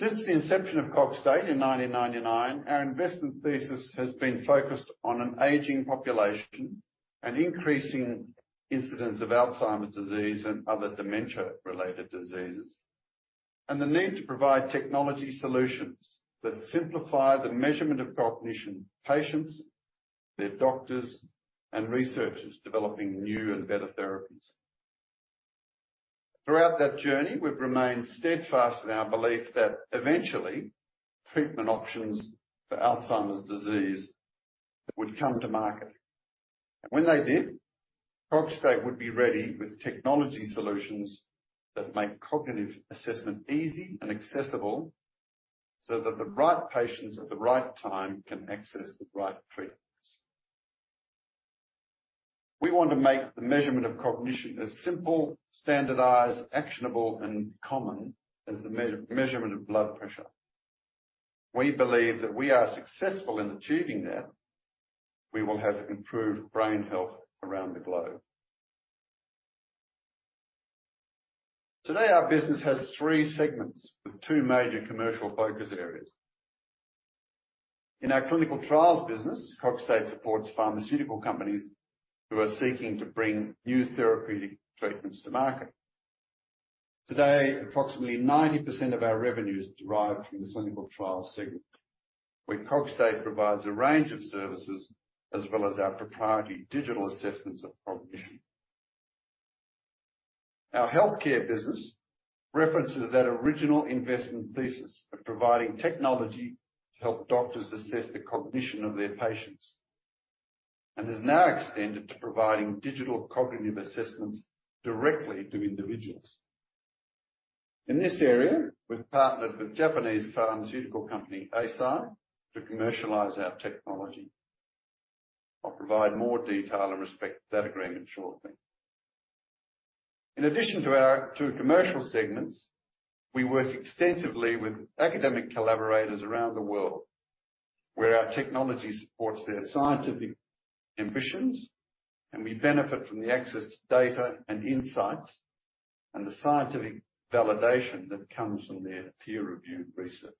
Since the inception of Cogstate in 1999, our investment thesis has been focused on an aging population, an increasing incidence of Alzheimer's disease and other dementia-related diseases, and the need to provide technology solutions that simplify the measurement of cognition patients, their doctors, and researchers developing new and better therapies. Throughout that journey, we've remained steadfast in our belief that eventually, treatment options for Alzheimer's disease would come to market. When they did, Cogstate would be ready with technology solutions that make cognitive assessment easy and accessible so that the right patients at the right time can access the right treatments. We want to make the measurement of cognition as simple, standardized, actionable, and common as the measurement of blood pressure. We believe that if we are successful in achieving that, we will have improved brain health around the globe. Today, our business has three segments with two major commercial focus areas. In our Clinical Trials business, Cogstate supports pharmaceutical companies who are seeking to bring new therapeutic treatments to market. Today, approximately 90% of our revenue is derived from the Clinical Trial segment, where Cogstate provides a range of services as well as our proprietary digital assessments of cognition. Our Healthcare business references that original investment thesis of providing technology to help doctors assess the cognition of their patients, and has now extended to providing digital cognitive assessments directly to individuals. In this area, we've partnered with Japanese pharmaceutical company, Eisai, to commercialize our technology. I'll provide more detail in respect to that agreement shortly. In addition to our two commercial segments, we work extensively with academic collaborators around the world where our technology supports their scientific ambitions, and we benefit from the access to data and insights and the scientific validation that comes from their peer-reviewed research.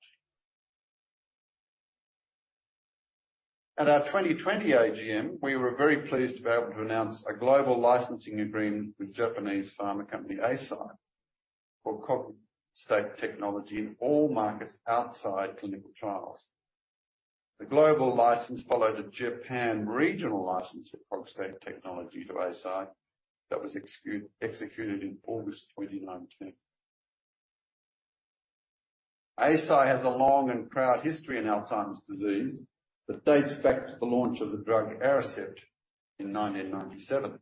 At our 2020 AGM, we were very pleased to be able to announce a global licensing agreement with Japanese pharma company, Eisai, for Cogstate technology in all markets outside Clinical Trials. The global license followed a Japan regional license of Cogstate technology to Eisai that was executed in August 2019. Eisai has a long and proud history in Alzheimer's disease that dates back to the launch of the drug Aricept in 1997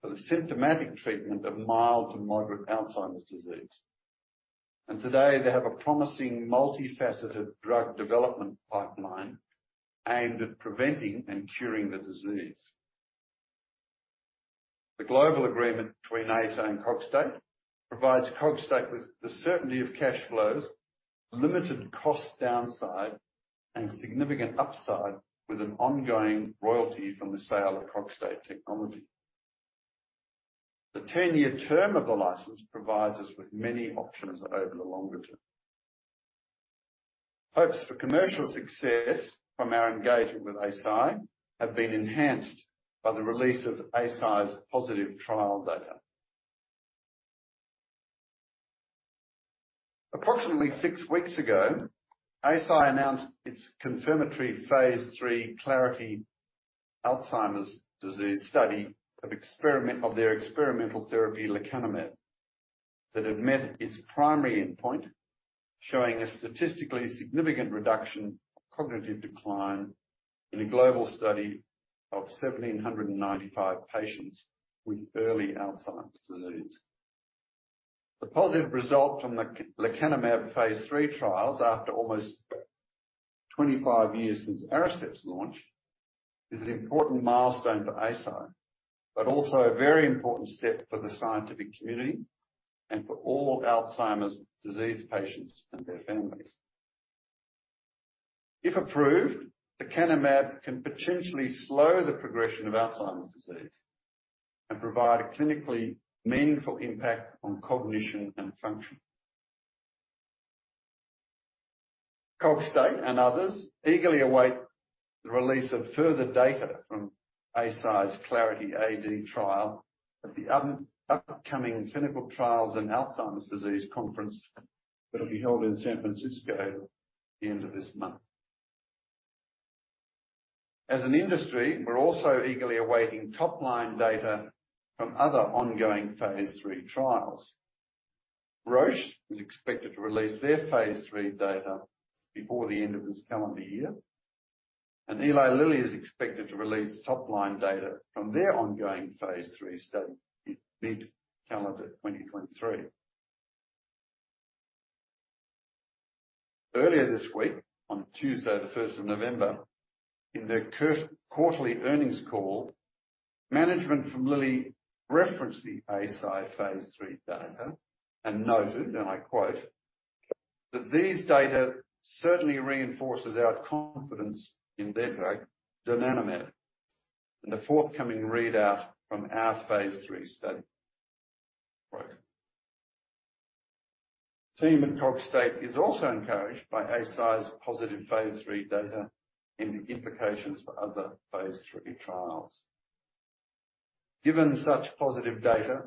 for the symptomatic treatment of mild to moderate Alzheimer's disease. Today, they have a promising multifaceted drug development pipeline aimed at preventing and curing the disease. The global agreement between Eisai and Cogstate provides Cogstate with the certainty of cash flows, limited cost downside, and significant upside with an ongoing royalty from the sale of Cogstate technology. The 10-year term of the license provides us with many options over the longer term. Hopes for commercial success from our engagement with Eisai have been enhanced by the release of Eisai's positive trial data. Approximately six weeks ago, Eisai announced its confirmatory phase III Clarity AD study of their experimental therapy, lecanemab, that had met its primary endpoint, showing a statistically significant reduction of cognitive decline in a global study of 1,795 patients with early Alzheimer's disease. The positive result from the lecanemab phase III trials, after almost 25 years since Aricept's launch, is an important milestone for Eisai, but also a very important step for the scientific community and for all Alzheimer's disease patients and their families. If approved, lecanemab can potentially slow the progression of Alzheimer's disease and provide a clinically meaningful impact on cognition and function. Cogstate and others eagerly await the release of further data from Eisai's Clarity AD trial at the upcoming clinical trials on Alzheimer's disease conference that will be held in San Francisco at the end of this month. As an industry, we're also eagerly awaiting top-line data from other ongoing phase III trials. Roche is expected to release their phase III data before the end of this calendar year, and Eli Lilly is expected to release top-line data from their ongoing phase III study in mid-calendar 2023. Earlier this week, on Tuesday the first of November, in their current quarterly earnings call, management from Lilly referenced the Eisai phase III data and noted, and I quote, "That these data certainly reinforces our confidence in their drug, donanemab. And the forthcoming readout from our phase III study." Great. The team at Cogstate is also encouraged by Eisai's positive phase III data and the implications for other phase III trials. Given such positive data,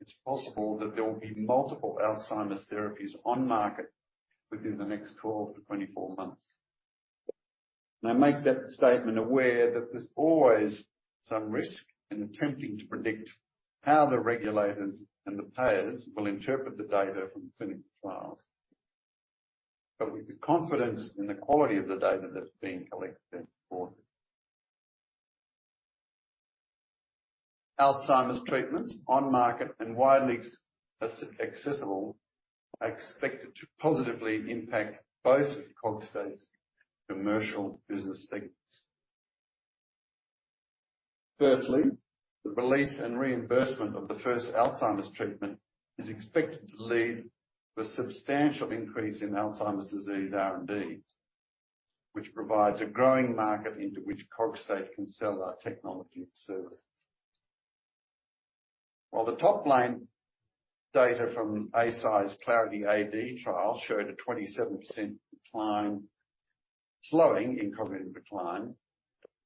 it's possible that there will be multiple Alzheimer's therapies on market within the next 12 months-24 months. I make that statement aware that there's always some risk in attempting to predict how the regulators and the payers will interpret the data from clinical trials. With the confidence in the quality of the data that's being collected for it. Alzheimer's treatments on market and widely accessible are expected to positively impact both of Cogstate's commercial business segments. Firstly, the release and reimbursement of the first Alzheimer's treatment is expected to lead to a substantial increase in Alzheimer's disease R&D, which provides a growing market into which Cogstate can sell our technology and services. While the top-line data from Eisai's Clarity AD trial showed a 27% decline, slowing in cognitive decline,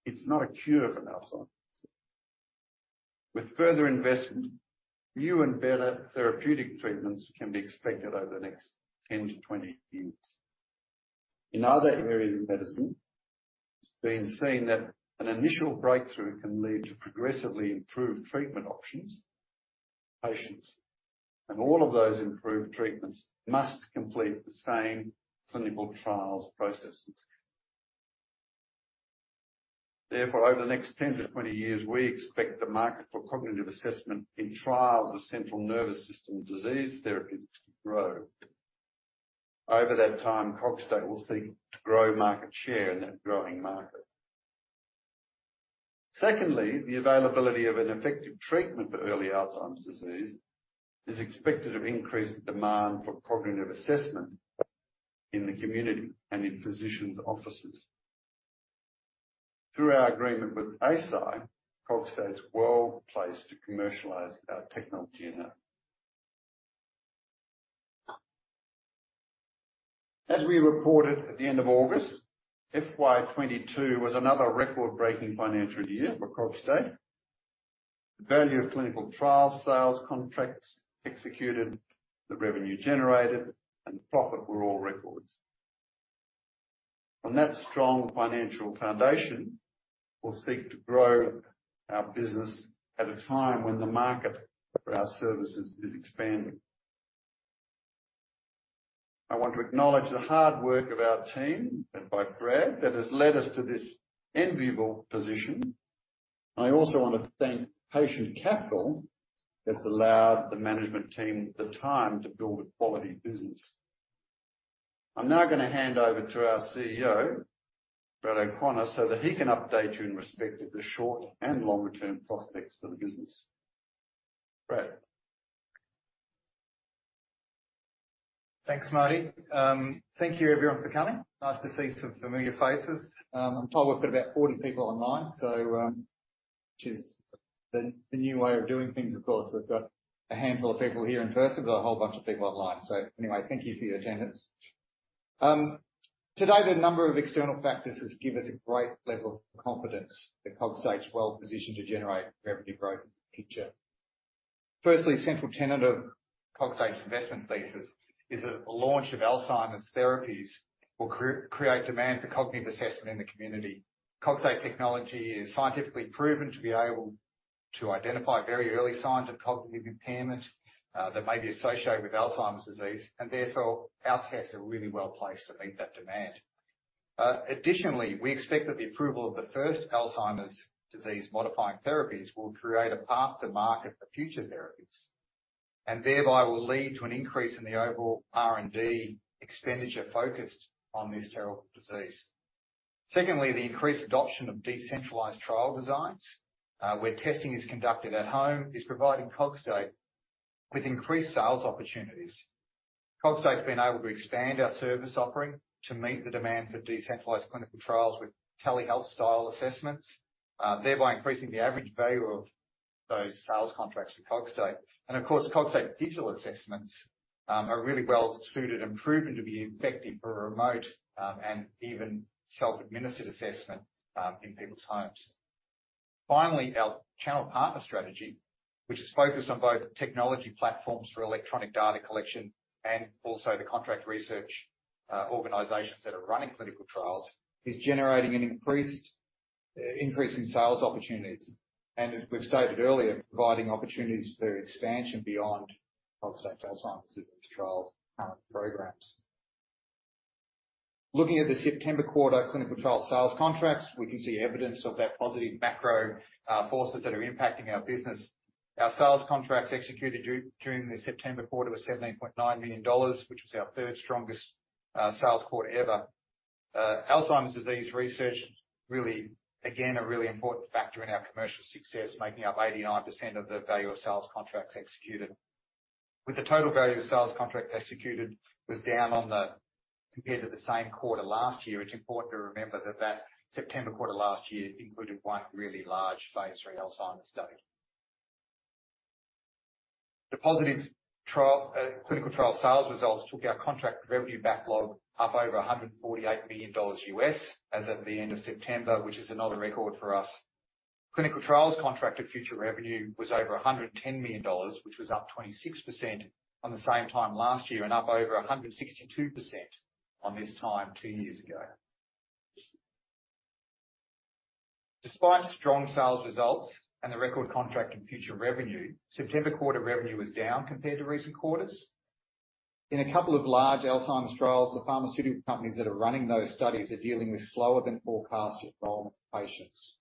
it's not a cure for Alzheimer's. With further investment, new and better therapeutic treatments can be expected over the next 10 years-20 years. In other areas of medicine, it's been seen that an initial breakthrough can lead to progressively improved treatment options for patients, and all of those improved treatments must complete the same clinical trials processes. Therefore, over the next 10 years-20 years, we expect the market for cognitive assessment in trials of central nervous system disease therapeutics to grow. Over that time, Cogstate will seek to grow market share in that growing market. Secondly, the availability of an effective treatment for early Alzheimer's disease is expected to increase the demand for cognitive assessment in the community and in physicians' offices. Through our agreement with Eisai, Cogstate is well-placed to commercialize our technology in that. As we reported at the end of August, FY 2022 was another record-breaking financial year for Cogstate. The value of Clinical Trial sales contracts executed, the revenue generated, and profit were all records. On that strong financial foundation, we'll seek to grow our business at a time when the market for our services is expanding. I want to acknowledge the hard work of our team, led by Brad, that has led us to this enviable position. I also want to thank Patient Capital that's allowed the management team the time to build a quality business. I'm now gonna hand over to our CEO, Brad O'Connor, so that he can update you in respect of the short and longer-term prospects for the business. Brad? Thanks, Marty. Thank you everyone for coming. Nice to see some familiar faces. I'm told we've got about 40 people online, so, which is the new way of doing things, of course. We've got a handful of people here in person, but a whole bunch of people online. Anyway, thank you for your attendance. To date, a number of external factors has given us a great level of confidence that Cogstate's well-positioned to generate revenue growth in the future. Firstly, a central tenet of Cogstate's investment thesis is that the launch of Alzheimer's therapies will create demand for cognitive assessment in the community. Cogstate technology is scientifically proven to be able to identify very early signs of cognitive impairment that may be associated with Alzheimer's disease, and therefore, our tests are really well-placed to meet that demand. Additionally, we expect that the approval of the first Alzheimer's disease modifying therapies will create a path to market for future therapies, and thereby will lead to an increase in the overall R&D expenditure focused on this terrible disease. Secondly, the increased adoption of decentralized trial designs, where testing is conducted at home, is providing Cogstate with increased sales opportunities. Cogstate's been able to expand our service offering to meet the demand for decentralized clinical trials with telehealth-style assessments, thereby increasing the average value of those sales contracts for Cogstate. Of course, Cogstate's digital assessments are really well-suited and proven to be effective for remote, and even self-administered assessment, in people's homes. Finally, our channel partner strategy, which is focused on both technology platforms for electronic data collection and also the contract research organizations that are running clinical trials, is generating an increase in sales opportunities, and as we've stated earlier, providing opportunities for expansion beyond Cogstate's Alzheimer's disease trials programs. Looking at the September quarter Clinical Trial sales contracts, we can see evidence of that positive macro forces that are impacting our business. Our sales contracts executed during the September quarter were $17.9 million, which was our third strongest sales quarter ever. Alzheimer's disease research really, again, a really important factor in our commercial success, making up 89% of the value of sales contracts executed. While the total value of sales contracts executed was down compared to the same quarter last year, it's important to remember that September quarter last year included one really large phase III Alzheimer's study. The positive trial, Clinical Trial sales results took our contract revenue backlog up over $148 million as at the end of September, which is another record for us. Clinical Trials contracted future revenue was over $110 million, which was up 26% on the same time last year and up over 162% on this time two years ago. Despite strong sales results and the record contract and future revenue, September quarter revenue was down compared to recent quarters. In a couple of large Alzheimer's trials, the pharmaceutical companies that are running those studies are dealing with slower than forecasted enrollment of patients.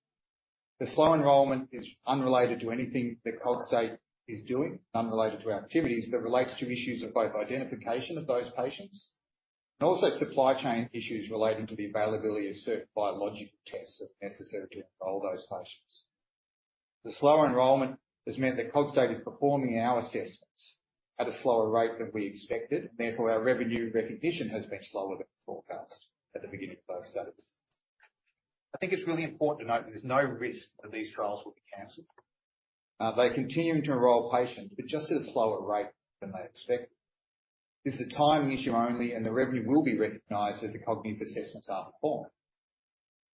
The slow enrollment is unrelated to anything that Cogstate is doing, unrelated to our activities, but relates to issues of both identification of those patients and also supply chain issues relating to the availability of certain biological tests that are necessary to enroll those patients. The slower enrollment has meant that Cogstate is performing our assessments at a slower rate than we expected, therefore, our revenue recognition has been slower than forecast at the beginning of those studies. I think it's really important to note there's no risk that these trials will be canceled. They're continuing to enroll patients, but just at a slower rate than they expected. This is a timing issue only, and the revenue will be recognized as the cognitive assessments are performed.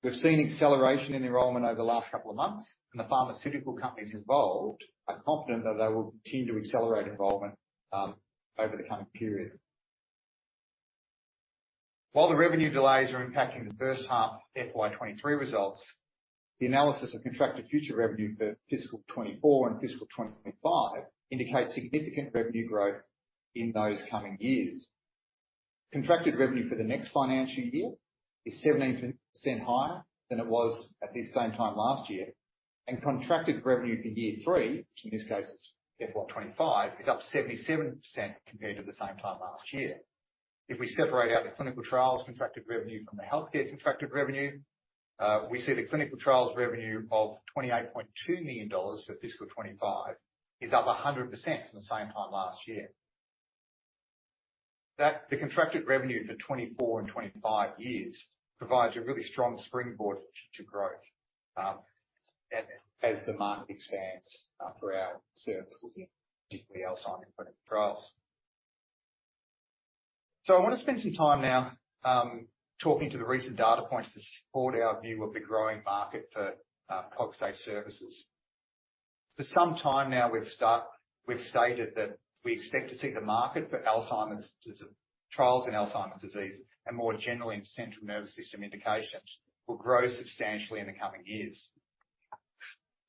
We've seen acceleration in enrollment over the last couple of months, and the pharmaceutical companies involved are confident that they will continue to accelerate enrollment over the coming period. While the revenue delays are impacting the first half FY 2023 results, the analysis of contracted future revenue for fiscal 2024 and fiscal 2025 indicates significant revenue growth in those coming years. Contracted revenue for the next financial year is 17% higher than it was at this same time last year. Contracted revenue for year three, which in this case is FY 2025, is up 77% compared to the same time last year. If we separate out the Clinical Trials contracted revenue from the Healthcare contracted revenue, we see the Clinical Trials revenue of $28.2 million for fiscal 2025 is up 100% from the same time last year. The contracted revenue for 2024 and 2025 years provides a really strong springboard to growth, as the market expands for our services, particularly Alzheimer's clinical trials. I want to spend some time now, talking about the recent data points to support our view of the growing market for Cogstate services. For some time now, we've stated that we expect to see the market for trials in Alzheimer's disease and more generally in central nervous system indications will grow substantially in the coming years.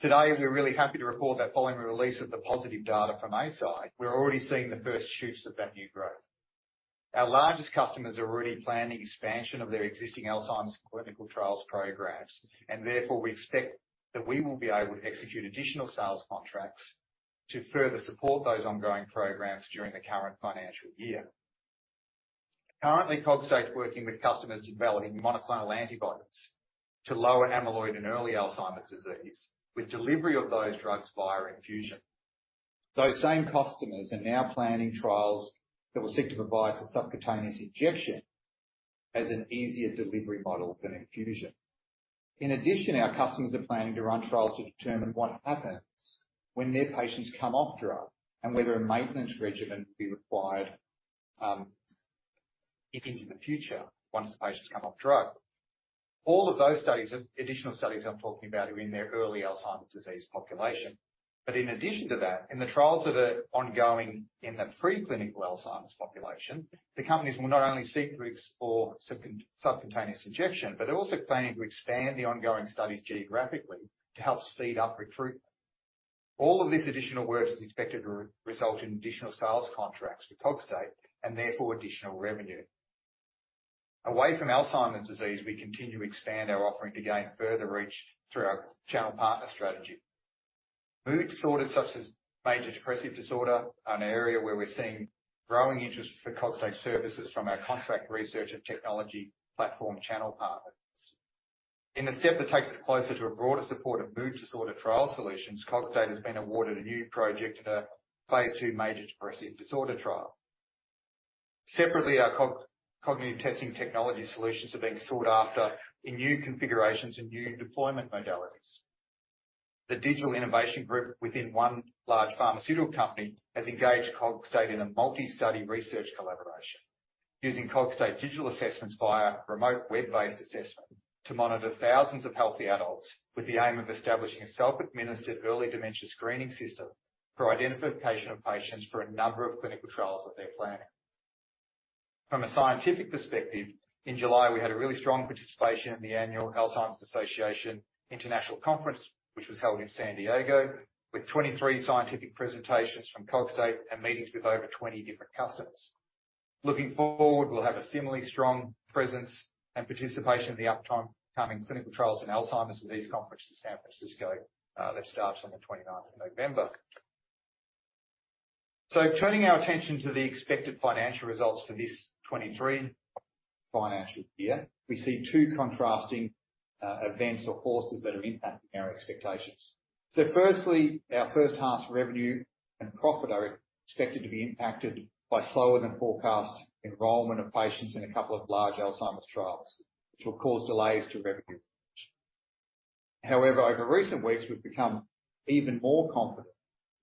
Today, we're really happy to report that following the release of the positive data from Eisai, we're already seeing the first shoots of that new growth. Our largest customers are already planning expansion of their existing Alzheimer's clinical trials programs, and therefore we expect that we will be able to execute additional sales contracts to further support those ongoing programs during the current financial year. Currently, Cogstate's working with customers developing monoclonal antibodies to lower amyloid in early Alzheimer's disease with delivery of those drugs via infusion. Those same customers are now planning trials that will seek to provide for subcutaneous injection as an easier delivery model than infusion. In addition, our customers are planning to run trials to determine what happens when their patients come off drug and whether a maintenance regimen will be required into the future once the patients come off drug. All of those studies, additional studies I'm talking about, are in their early Alzheimer's disease population. In addition to that, in the trials that are ongoing in the pre-clinical Alzheimer's population, the companies will not only seek to explore subcutaneous injection, but they're also planning to expand the ongoing studies geographically to help speed up recruitment. All of this additional work is expected to result in additional sales contracts for Cogstate and therefore additional revenue. Away from Alzheimer's disease, we continue to expand our offering to gain further reach through our channel partner strategy. Mood disorders such as major depressive disorder, an area where we're seeing growing interest for Cogstate services from our contract research and technology platform channel partners. In a step that takes us closer to a broader support of mood disorder trial solutions, Cogstate has been awarded a new project in a phase II major depressive disorder trial. Separately, our cognitive testing technology solutions are being sought after in new configurations and new deployment modalities. The digital innovation group within one large pharmaceutical company has engaged Cogstate in a multi-study research collaboration using Cogstate digital assessments via remote web-based assessment to monitor thousands of healthy adults with the aim of establishing a self-administered early dementia screening system for identification of patients for a number of clinical trials that they're planning. From a scientific perspective, in July, we had a really strong participation in the annual Alzheimer's Association International Conference, which was held in San Diego with 23 scientific presentations from Cogstate and meetings with over 20 different customers. Looking forward, we'll have a similarly strong presence and participation in the upcoming clinical trials on Alzheimer's Disease conference in San Francisco, that starts on the 29th of November. Turning our attention to the expected financial results for this 2023 financial year, we see two contrasting, events or forces that are impacting our expectations. Firstly, our first half's revenue and profit are expected to be impacted by slower than forecast enrollment of patients in a couple of large Alzheimer's trials, which will cause delays to revenue. However, over recent weeks, we've become even more confident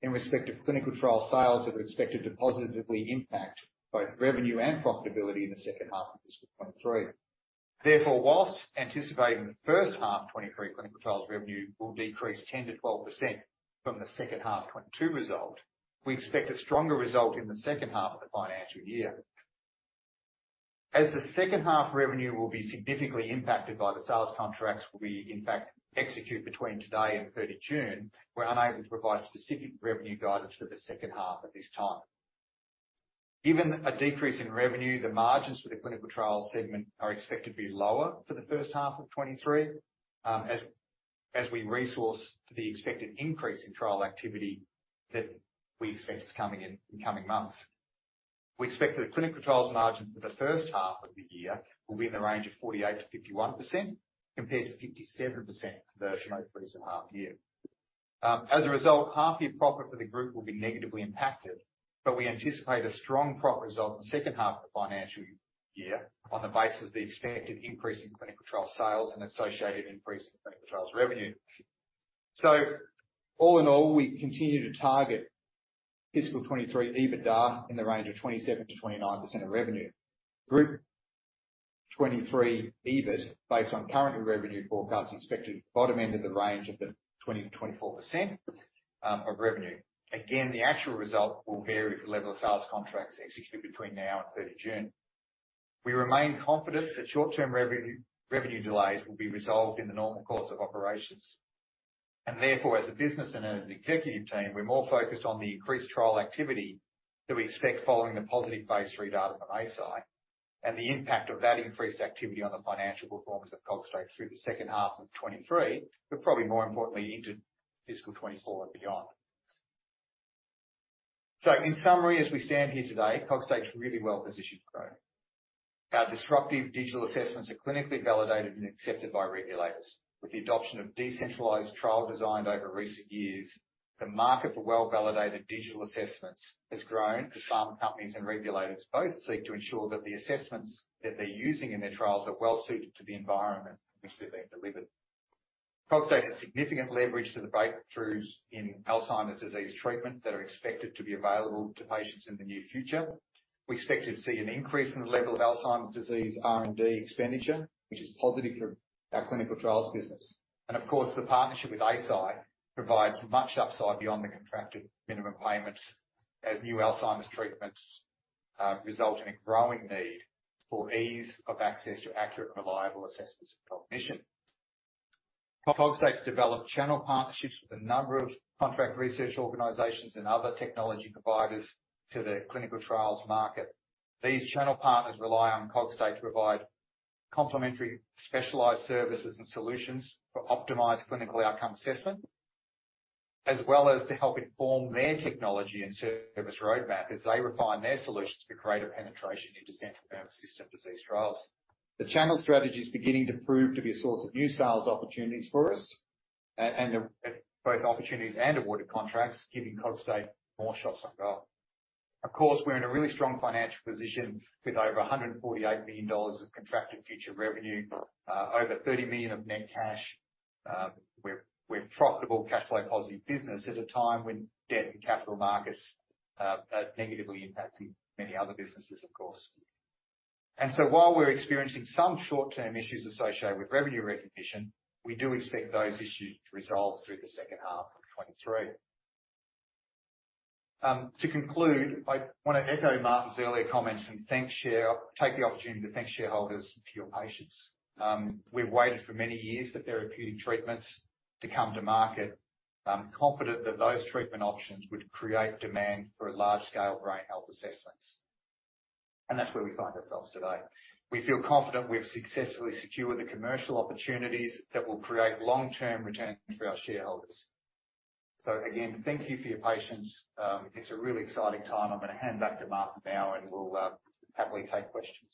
in respect of Clinical Trial sales that are expected to positively impact both revenue and profitability in the second half of fiscal 2023. Therefore, while anticipating the first half 2023 Clinical Trials revenue will decrease 10%-12% from the second half 2022 result, we expect a stronger result in the second half of the financial year. As the second half revenue will be significantly impacted by the sales contracts we in fact execute between today and 30 June, we're unable to provide specific revenue guidance for the second half at this time. Given a decrease in revenue, the margins for the Clinical Trial segment are expected to be lower for the first half of 2023, as we resource the expected increase in trial activity that we expect is coming in coming months. We expect that the Clinical Trials margin for the first half of the year will be in the range of 48%-51% compared to 57% for the 2022's half year. As a result, half year profit for the group will be negatively impacted, but we anticipate a strong profit result in the second half of the financial year on the basis of the expected increase in Clinical Trial sales and associated increase in Clinical Trials revenue. All in all, we continue to target fiscal 2023 EBITDA in the range of 27%-29% of revenue. Group 2023 EBIT, based on current revenue forecast, is expected bottom end of the range of the 20%-24% of revenue. Again, the actual result will vary with the level of sales contracts executed between now and 30 June. We remain confident that short-term revenue delays will be resolved in the normal course of operations. Therefore, as a business and as an executive team, we're more focused on the increased trial activity that we expect following the positive phase III data from Eisai and the impact of that increased activity on the financial performance of Cogstate through the second half of 2023, but probably more importantly into fiscal 2024 and beyond. In summary, as we stand here today, Cogstate's really well positioned to grow. Our disruptive digital assessments are clinically validated and accepted by regulators. With the adoption of decentralized trial design over recent years, the market for well-validated digital assessments has grown as pharma companies and regulators both seek to ensure that the assessments that they're using in their trials are well suited to the environment in which they're being delivered. Cogstate has significant leverage to the breakthroughs in Alzheimer's disease treatment that are expected to be available to patients in the near future. We expect to see an increase in the level of Alzheimer's disease R&D expenditure, which is positive for our Clinical Trials business. Of course, the partnership with Eisai provides much upside beyond the contracted minimum payments as new Alzheimer's treatments result in a growing need for ease of access to accurate and reliable assessments of cognition. Cogstate has developed channel partnerships with a number of contract research organizations and other technology providers to the clinical trials market. These channel partners rely on Cogstate to provide complementary specialized services and solutions for optimized clinical outcome assessment, as well as to help inform their technology and service roadmap as they refine their solutions for greater penetration into central nervous system disease trials. The channel strategy is beginning to prove to be a source of new sales opportunities for us and both opportunities and awarded contracts, giving Cogstate more shots on goal. Of course, we're in a really strong financial position with over $148 million of contracted future revenue, over $30 million of net cash. We're profitable, cash flow positive business at a time when debt and capital markets are negatively impacting many other businesses, of course. While we're experiencing some short-term issues associated with revenue recognition, we do expect those issues to resolve through the second half of 2023. To conclude, I want to echo Marty's earlier comments and take the opportunity to thank shareholders for your patience. We've waited for many years for therapeutic treatments to come to market. I'm confident that those treatment options would create demand for large scale brain health assessments, and that's where we find ourselves today. We feel confident we've successfully secured the commercial opportunities that will create long-term returns for our shareholders. Again, thank you for your patience. It's a really exciting time. I'm gonna hand back to Marty now and we'll happily take questions.